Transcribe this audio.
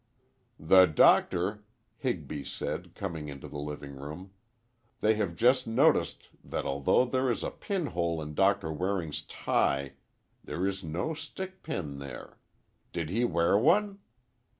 "The doctor," Higby said, coming into the living room, "they have just noticed that although there is a pinhole in Doctor Waring's tie, there is no stickpin there. Did he wear one?"